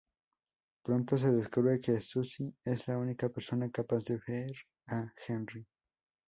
Pronto se descubre que Suzy es la única persona capaz de ver a Henry.